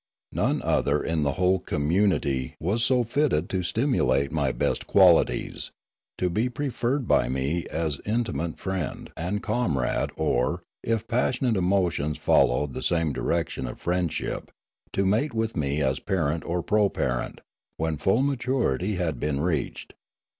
None other in the whole community was so fitted to stimulate my best qualities, to be preferred by me as intimate friend and comrade or, if passionate emotions followed the same direction as friendship, to mate with me as parent or proparent, when full maturity had been reached.